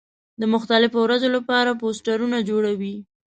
د مختلفو ورځو له پاره پوسټرونه جوړوي.